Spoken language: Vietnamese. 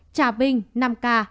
trà vinh năm ca